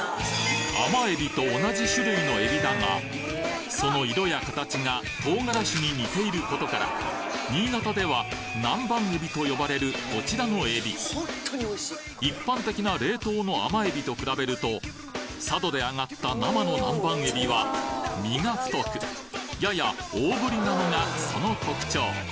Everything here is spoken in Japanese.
甘えびと同じ種類のえびだがその色や形が唐辛子に似ていることから新潟では南蛮えびと呼ばれるこちらのえび一般的な冷凍の甘えびと比べると佐渡であがった生の南蛮えびは身が太くやや大ぶりなのがその特徴